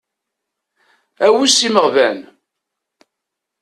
Awes imeɣban.